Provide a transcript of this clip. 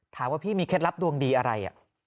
ถามว่าพี่มีเคล็ดลับดวงดีอะไร